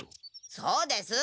そうです！